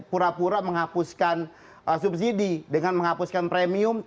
pura pura menghapuskan subsidi dengan menghapuskan premium